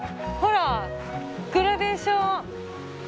ほらグラデーション。